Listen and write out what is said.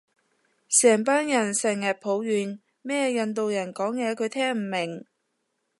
成班人成人抱怨咩印度人講嘢佢聽唔明